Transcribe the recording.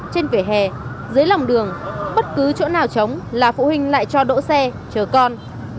trên vỉa hè dưới lòng đường bất cứ chỗ nào chống là phụ huynh lại cho đỗ xe chờ con